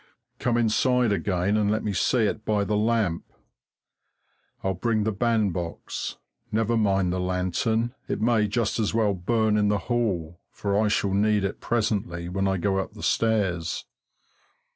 Come inside again and let me see it by the lamp. I'll bring the bandbox never mind the lantern, it may just as well burn in the hall, for I shall need it presently when I go up the stairs.